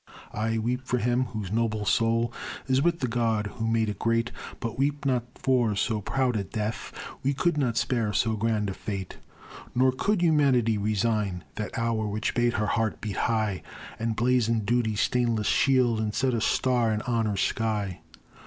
Ay, weep for him, whose noble soul Is with the God who made it great; But weep not for so proud a death, We could not spare so grand a fate. Nor could Humanity resign That hour which bade her heart beat high, And blazoned Duty's stainless shield, And set a star in Honor's sky.